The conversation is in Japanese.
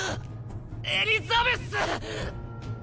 エリザベス！